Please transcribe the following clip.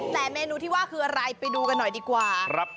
แต่เมนูที่ว่าคืออะไรไปดูกันหน่อยดีกว่า